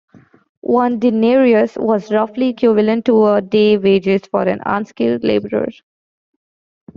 One denarius was roughly equivalent to a day's wages for an unskilled laborer.